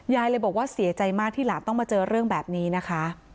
ยายเลยบอกว่าเสียใจมากที่หลานต้องมาเจอเรื่องแบบนี้นะคะ